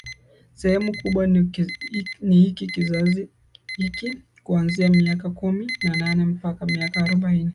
sehemu kubwa ni hiki kizazi hiki kuanzia miaka kumi na nane mpaka miaka arobaini